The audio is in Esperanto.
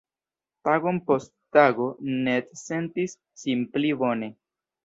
Tagon post tago, Ned sentis sin pli bone.